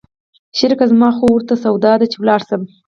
شريکه زما خو ورته سودا ده چې ولاړ سم.